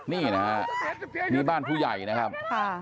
นี่นะฮะนี่บ้านผู้ใหญ่นะครับ